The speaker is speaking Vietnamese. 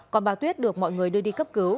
còn bà tuyết được mọi người đưa đi cấp cứu